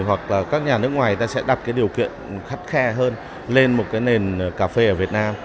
hoặc là các nhà nước ngoài người ta sẽ đặt cái điều kiện khắt khe hơn lên một cái nền cà phê ở việt nam